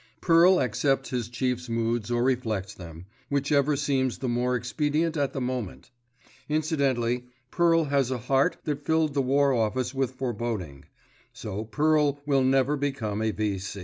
Pearl accepts his chief's moods or reflects them, whichever seems the more expedient at the moment. Incidentally Pearl has a heart that filled the War Office with foreboding; so Pearl will never become a V.